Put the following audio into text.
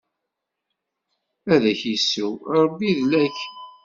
Ad ak-issu, Ṛebbi idel-ak!